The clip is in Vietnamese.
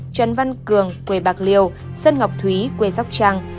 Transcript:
trần văn cường quê bạc liêu sơn ngọc thúy quê sóc trăng